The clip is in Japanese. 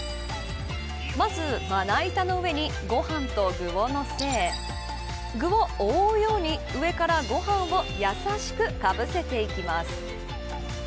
まず、まな板の上にご飯と具をのせ具を覆うように上からご飯をやさしくかぶせていきます。